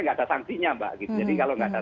tidak ada sangsinya mbak jadi kalau tidak ada